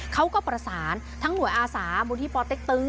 เขาก็ประสานทั้งหน่วยอาศาบริษัทตึง